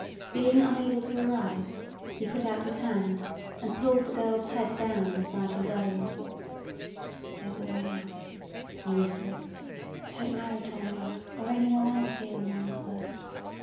Being unable to arise, he put out his hand and pulled the girl's head down beside his own. "There's a way out," he whispered. "Don't marry Tom Willard or anyone else here in Winesburg.